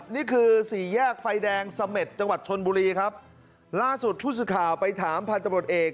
นี่คือสี่แยกไฟแดงเสม็ดจังหวัดชนบุรีครับล่าสุดผู้สื่อข่าวไปถามพันธบรวจเอก